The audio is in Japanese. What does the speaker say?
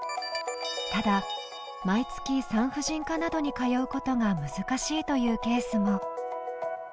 ただ、毎月産婦人科などに通うことが難しいというケースも。